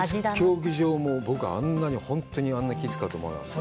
競技場も、本当に、あんなに木使うと思わなかった。